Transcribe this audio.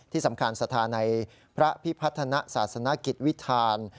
ที่สำคัญสถานัยพระพิพัฒนาศาสนกิจวิทธาณิ